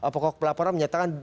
pokok pelaporan menyatakan